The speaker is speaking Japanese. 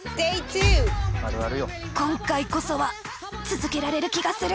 今回こそは続けられる気がする。